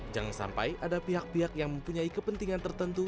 jangan sampai ada pihak pihak yang mempunyai kepentingan tertentu